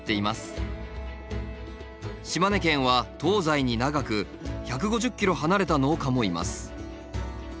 島根県は東西に長く１５０ｋｍ離れた農家もいます。